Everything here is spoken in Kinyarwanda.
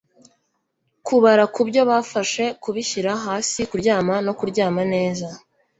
kubara kubyo bafashe, kubishyira hasi, kuryama, no kuryama neza